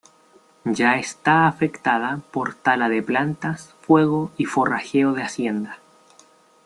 Ya está afectada por tala de plantas, fuego, y forrajeo de hacienda.